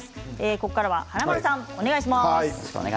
ここからは華丸さんお願いします。